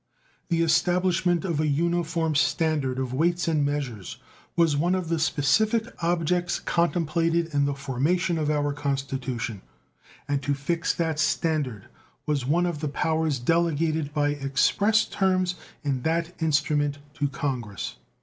The establishment of an uniform standard of weights and measures was one of the specific objects contemplated in the formation of our Constitution, and to fix that standard was on of the powers delegated by express terms in that instrument to Congress.